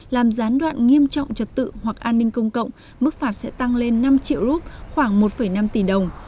làm gián đoạn nghiêm trọng trật tự hoặc an ninh công cộng mức phạt sẽ tăng lên năm triệu rup khoảng một năm tỷ đồng